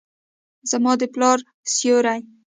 زما د پلار سیوري ،